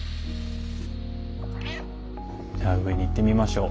じゃあ上に行ってみましょう。